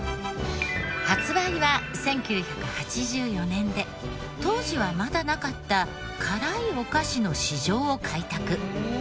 発売は１９８４年で当時はまだなかった辛いお菓子の市場を開拓。